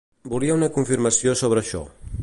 Volia una confirmació sobre això.